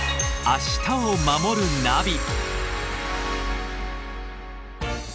「明日をまもるナビ」